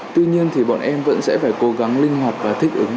tuy nhiên thì bọn em vẫn sẽ phải cố gắng linh hoạt và thích ứng